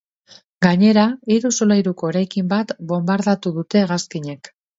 Gainera, hiru solairuko eraikin bat bonbardatu dute hegazkinek.